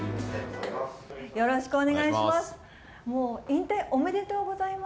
よろしくお願いします。